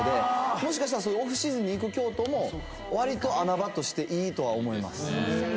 もしかしたらオフシーズンに行く京都もわりと穴場としていいとは思います。